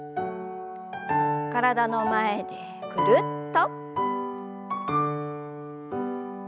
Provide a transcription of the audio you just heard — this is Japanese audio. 体の前でぐるっと。